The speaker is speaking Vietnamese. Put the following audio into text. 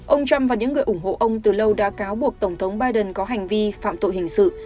ông trump và những người ủng hộ ông từ lâu đã cáo buộc tổng thống biden có hành vi phạm tội hình sự